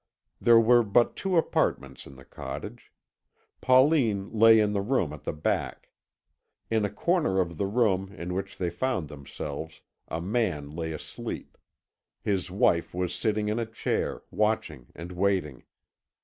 There were but two apartments in the cottage. Pauline lay in the room at the back. In a corner of the room in which they found themselves a man lay asleep; his wife was sitting in a chair, watching and waiting.